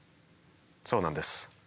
そうなんです。